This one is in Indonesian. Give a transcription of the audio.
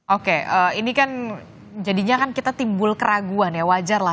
oke ini kan jadinya kita timbul keraguan ya